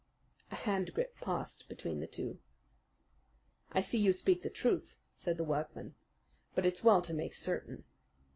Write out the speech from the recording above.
A hand grip passed between the two. "I see you speak the truth," said the workman. "But it's well to make certain."